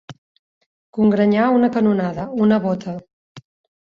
Congrenyar una canonada, una bota.